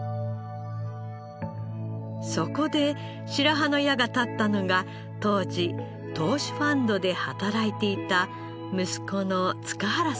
そこで白羽の矢が立ったのが当時投資ファンドで働いていた息子の塚原さんだったのです。